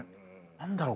何だろう